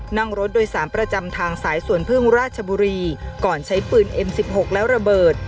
นั่งรถโดยสารประจำทางสายสวนพึ่งราชบุรีก่อนใช้ปืนเอ็มสิบหกแล้วระเบิด